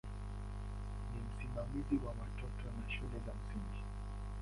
Ni msimamizi wa watoto na wa shule za msingi.